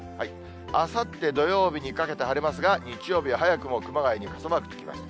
あさって土曜日にかけて晴れますが、日曜日は早くも熊谷に傘マークつきます。